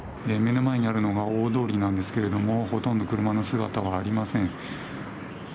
目の前にあるのが大通りなんですけれどもほとんど車の姿はありません。